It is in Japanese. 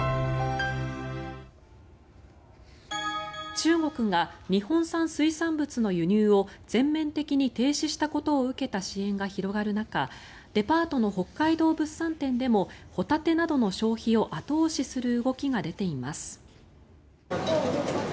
中国が日本産水産物の輸入を全面的に停止したことを受けた支援が広がる中デパートの北海道物産展でもホタテなどの消費を後押しする動きが出ています。